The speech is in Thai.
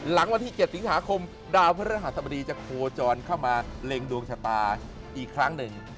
หลังวันที่๗สิงหาคมดาร์เพศรภัณฑ์ธรรมดีจะโโจรนเข้ามาเล็งดวงฉบตาอีกครั้งหนึ่ง